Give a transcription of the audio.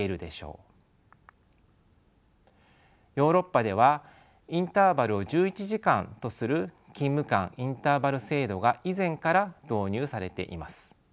ヨーロッパではインターバルを１１時間とする勤務間インターバル制度が以前から導入されています。